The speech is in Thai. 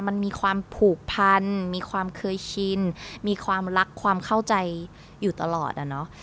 มันมีความผูกพันมีความเคยชินมีความรักความเข้าใจอยู่ตลอดอะเนาะ